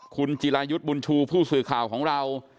คุณจิรายุทธ์บุญชูผู้สื่อข่าวของเรา